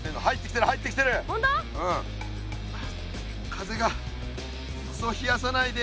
風がクソ冷やさないで。